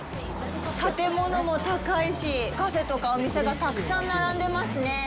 建物も高いし、カフェとかお店がたくさん並んでますね。